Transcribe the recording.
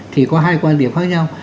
thì có hai quan điểm khác nhau